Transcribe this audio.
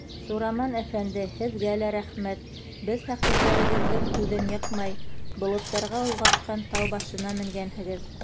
Сураман әфәнде, Һеҙгә лә рәхмәт, беҙ фәҡирегеҙҙең һүҙен йыҡмай, болоттарға олғашҡан тау башына менгәнһегеҙ.